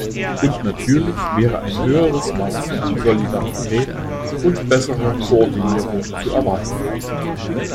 Und natürlich wäre ein höheres Maß an Solidarität und besserer Koordinierung zu erwarten.